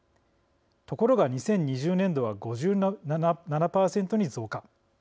ところが、２０２０年度は５７％に増加。